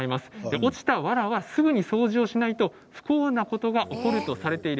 落ちた、わらはすぐに掃除をしないと、不幸なことが起こるとされている。